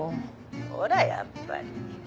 ほらやっぱり。